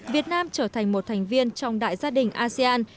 việt nam trở thành một thành viên trong đại gia đình asean